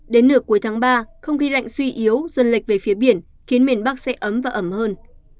đến nửa cuối tháng ba không khí lạnh suy yếu dân lệch về phía biển khiến miền bắc sẽ ấm và ẩm hơn